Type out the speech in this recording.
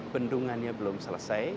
bendungannya belum selesai